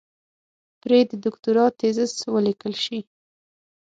پرې د دوکتورا تېزس وليکل شي.